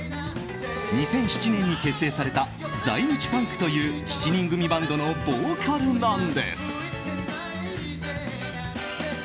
２００７年に結成された在日ファンクという７人組バンドのボーカルなんです。